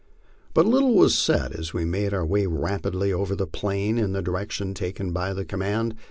But little was said as we made our way rapidly over the plain in the direc tion taken by the command.